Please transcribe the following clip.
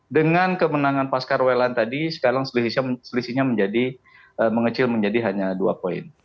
dengan kemenangan pascal werland tadi sekarang selisihnya mengecil menjadi hanya dua poin